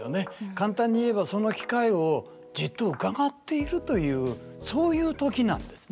簡単に言えばその機会をじっとうかがっているというそういう時なんですね。